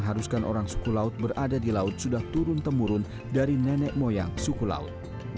haruskan orang suku laut berada di laut sudah turun temurun dari nenek moyang suku laut